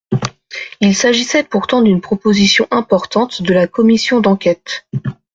Il s’agissait pourtant d’une proposition importante de la commission d’enquête.